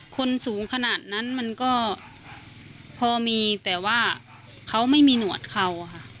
คนสูงขนาดนั้นมันก็พอมีแต่ว่าเขาไม่มีหนวดเขาค่ะ